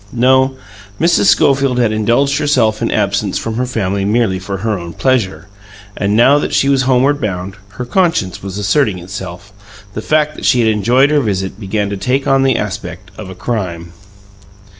No; Mrs. Schofield had indulged herself in absence from her family merely for her own pleasure, and, now that she was homeward bound, her conscience was asserting itself; the fact that she had enjoyed her visit began to take on the aspect of a crime.